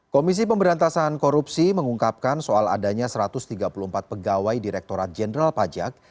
komisi pemberantasan korupsi mengungkapkan soal adanya satu ratus tiga puluh empat pegawai direkturat jenderal pajak